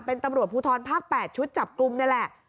เป็นตำรวจภูทรภาค๘ชุดจับกลุ่มนี่แหละ